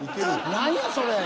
何やそれ。